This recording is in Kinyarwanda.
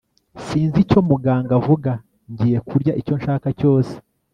sinzi icyo muganga avuga. ngiye kurya icyo nshaka cyose